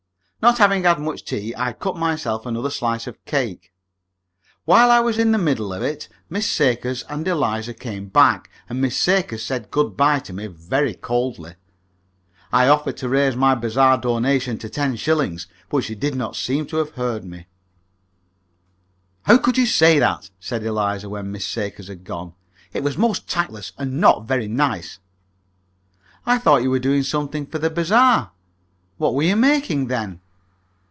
Not having had much tea, I cut myself another slice of cake. While I was in the middle of it, Miss Sakers and Eliza came back, and Miss Sakers said good bye to me very coldly. I offered to raise my bazaar donation to ten shillings, but she did not seem to have heard me. "How could you say that?" said Eliza, when Miss Sakers had gone. "It was most tactless and not very nice." "I thought you were doing something for the bazaar. What were you making, then?"